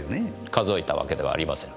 数えたわけではありません。